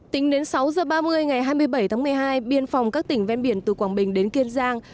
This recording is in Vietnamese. tính đến sáu giờ ba mươi ngày hai mươi bảy tháng một mươi hai biên phòng các tỉnh ven biển từ quảng bình đến kiên giang